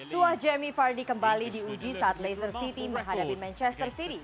tua jamie vardy kembali diuji saat leicester city menghadapi manchester city